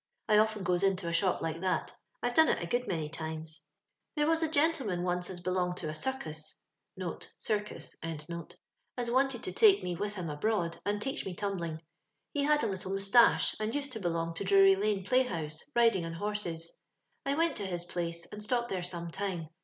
I often goes into a shop Uke that ; I've done it a good many times. *» There was a gentleman once as belonged to a * suckus,' (circus) as wanted to take me with him abroad, and teach me tumbling. He had a little mustache, and used to belong to Drury lane play house, riding on horses. I went to his place, and stopped there some time.